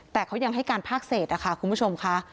แต่เขายังให้การภาคเศษนะคะคุณผู้ชมค่ะ